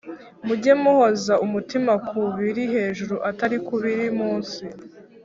Mujye muhoza umutima ku biri hejuru, atari ku biri mu isi: